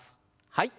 はい。